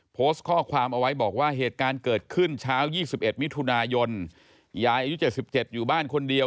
โพสต์ข้อความเอาไว้บอกว่าเหตุการณ์เกิดขึ้นเช้า๒๑มิถุนายนยายอายุ๗๗อยู่บ้านคนเดียว